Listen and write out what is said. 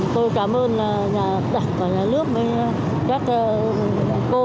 tôi cảm ơn nhà đặc và nhà nước với các cô